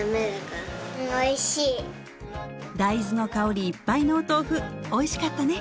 大豆の香りいっぱいのお豆腐おいしかったね